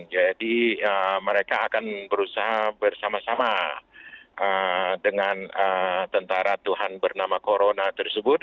jadi mereka akan berusaha bersama sama dengan tentara tuhan bernama corona tersebut